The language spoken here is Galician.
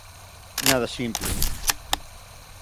Nada simple.